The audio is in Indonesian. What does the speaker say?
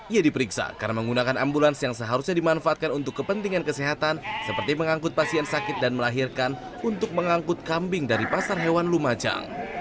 ia diperiksa karena menggunakan ambulans yang seharusnya dimanfaatkan untuk kepentingan kesehatan seperti mengangkut pasien sakit dan melahirkan untuk mengangkut kambing dari pasar hewan lumajang